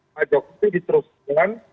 pak jokowi diteruskan